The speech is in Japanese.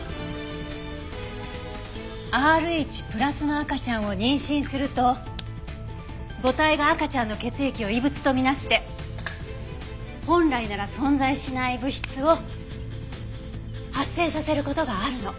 Ｒｈプラスの赤ちゃんを妊娠すると母体が赤ちゃんの血液を異物と見なして本来なら存在しない物質を発生させる事があるの。